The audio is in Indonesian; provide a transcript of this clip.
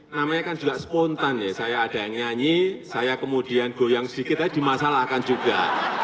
namanya kan juga spontan ya saya ada yang nyanyi saya kemudian goyang sedikit aja dimasalahkan juga